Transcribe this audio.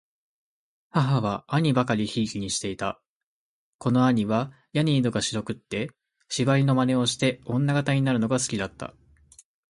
母は兄許り贔負にして居た。此兄はやに色が白くつて、芝居の真似をして女形になるのが好きだつた。